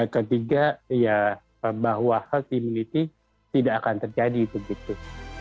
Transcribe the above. ketiga ya bahwa herd immunity tidak akan terjadi begitu